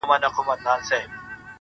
سترگه وره مي په پت باندي پوهېږي.